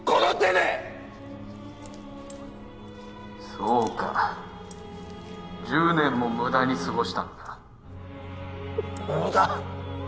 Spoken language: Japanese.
そうか１０年も無駄に過ごしたのか無駄！？